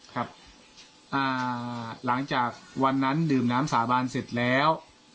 ครับหลังจากวันนั้นดื่มน้ำสาบานเสร็จแล้ว